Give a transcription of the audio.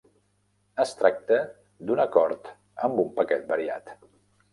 Es tracta d'un acord amb un paquet variat.